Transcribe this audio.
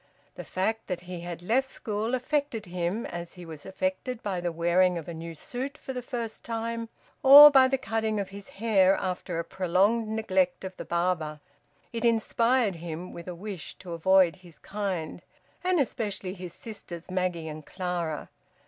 The fact that he had left school affected him as he was affected by the wearing of a new suit for the first time, or by the cutting of his hair after a prolonged neglect of the barber. It inspired him with a wish to avoid his kind, and especially his sisters, Maggie and Clara.